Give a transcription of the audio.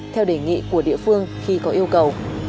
theo đề nghị của địa phương khi có yêu cầu